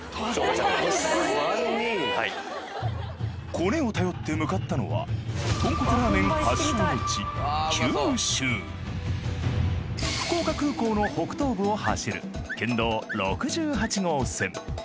コネを頼って向かったのは豚骨ラーメン発祥の地九州福岡空港の北東部を走る県道６８号線